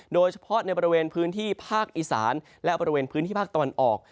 โดยเฉพาะในบริเวณพื้นที่ภาคอีสานและบริเวณพื้นที่ภาคตะวันออก